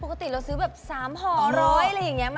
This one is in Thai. ปกติเราซื้อแบบ๓ห่อร้อยอะไรอย่างนี้